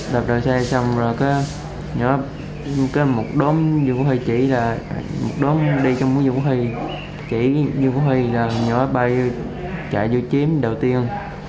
một đứa đi trong mũi dương quang huy chỉ dương quang huy là nhỏ bay chạy vô chiếm đầu tiên